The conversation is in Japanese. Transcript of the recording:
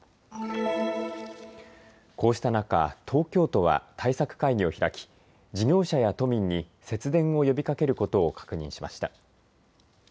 こうした中、東京都は対策会議を開き事業者や都民に節電を呼びかけることを確認しました。